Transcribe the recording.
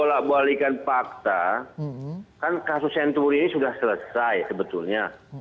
bolak balikan fakta kan kasus senturi ini sudah selesai sebetulnya